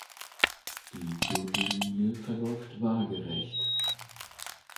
Die Gürtellinie verläuft waagerecht.